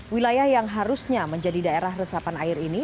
wilayah yang harusnya menjadi daerah resapan air ini